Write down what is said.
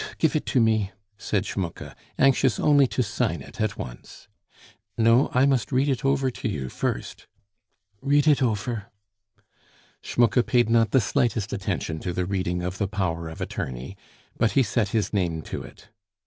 gif it to me," said Schmucke, anxious only to sign it at once. "No, I must read it over to you first." "Read it ofer." Schmucke paid not the slightest attention to the reading of the power of attorney, but he set his name to it.